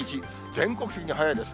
全国的に早いです。